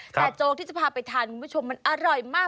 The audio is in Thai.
แต่โจ๊กที่จะพาไปทานคุณผู้ชมมันอร่อยมาก